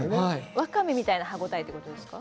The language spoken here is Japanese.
わかめみたいな歯応えということですか？